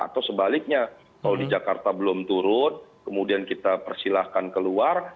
atau sebaliknya kalau di jakarta belum turun kemudian kita persilahkan keluar